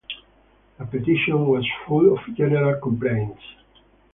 Their petition was full of general complaints.